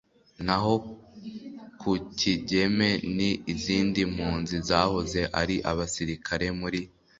naho ku Kigeme ni Izindi mpunzi zahoze ari abasirikare muri